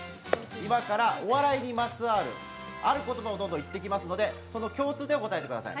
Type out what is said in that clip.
今からお笑いにまつわるある言葉をどんどんいっていきますのでその共通点を答えてください。